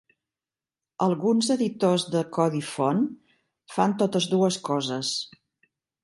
Alguns editors de codi font fan totes dues coses.